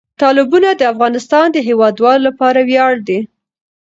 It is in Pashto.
تالابونه د افغانستان د هیوادوالو لپاره ویاړ دی.